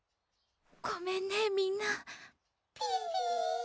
ごめんねみんなピピー